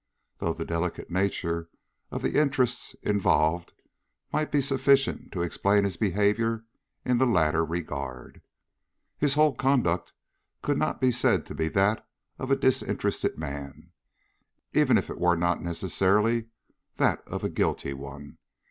Though the delicate nature of the interests involved might be sufficient to explain his behavior in the latter regard, his whole conduct could not be said to be that of a disinterested man, even if it were not necessarily that of a guilty one.